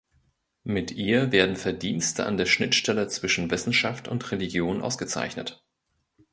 Mit ihr werden Verdienste an der Schnittstelle zwischen Wissenschaft und Religion ausgezeichnet.